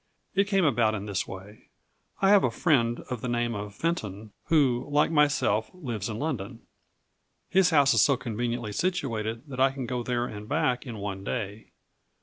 It came about in this way: I have a friend of the name of Fenton, who, like myself, lives in London. His house is so conveniently situated that I can go there and back in one day.